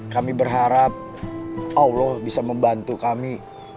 kami berharap allah bisa membantu kami